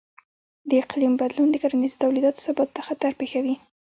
د اقلیم بدلون د کرنیزو تولیداتو ثبات ته خطر پېښوي.